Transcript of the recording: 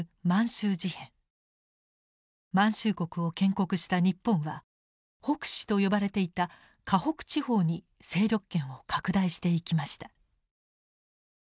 満州国を建国した日本は北支と呼ばれていた華北地方に勢力圏を拡大していきました。